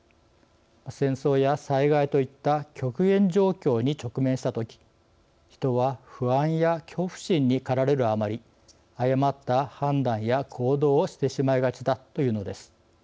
戦争や災害といった極限状況に直面したとき人は不安や恐怖心に駆られるあまり誤った判断や行動をしてしまいがちだというのです。